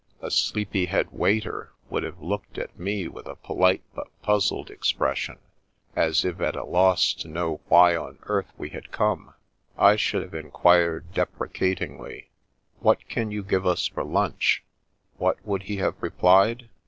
A sleepy head waiter would have looked at me with a polite but puzzled expression, as if at a loss to know why on earth we had come. I should have enquired deprecatingly :* What can you give us for lunch ?' What would he have replied